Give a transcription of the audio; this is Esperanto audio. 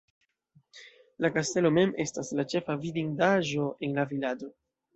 La kastelo mem estas la ĉefa vidindaĵo en la vilaĝo.